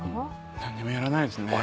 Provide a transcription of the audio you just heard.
何にもやらないですね。